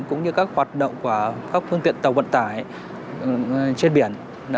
cũng như các hoạt động của các phương tiện tàu vận tải trên biển